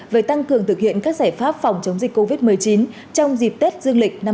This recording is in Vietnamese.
về tăng cường thực hiện các giải pháp phòng chống dịch covid một mươi chín trong dịp tết dương lịch năm hai nghìn hai mươi